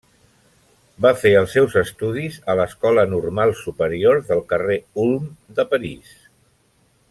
Va fer els seus estudis a l'Escola Normal Superior del carrer Ulm de París.